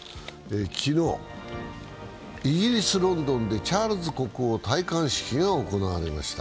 昨日、イギリス・ロンドンでチャールズ国王戴冠式が行われました。